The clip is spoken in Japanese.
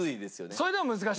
それでも難しいね。